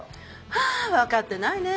はあ分かってないねえ。